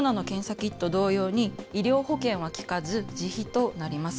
キット同様に、医療保険は利かず、自費となります。